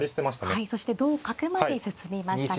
はいそして同角まで進みました。